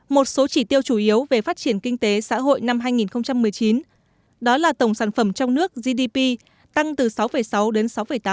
một số chỉ tiêu chủ yếu về phát triển kinh tế xã hội năm hai nghìn một mươi chín đó là tổng sản phẩm trong nước gdp tăng từ sáu sáu đến sáu tám